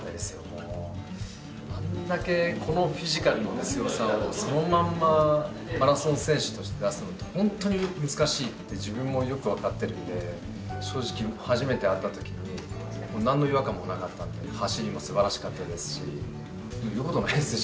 もうあんだけこのフィジカルの強さをそのまんまマラソン選手として出すのってホントに難しいって自分もよく分かってるんで正直初めて会った時に何の違和感もなかったんで走りも素晴らしかったですし言うことないですよ